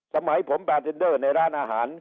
สมัยผมบาตินเดอร์ในร้านอาหาร